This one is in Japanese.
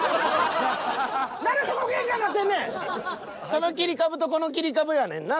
その切り株とこの切り株やねんな。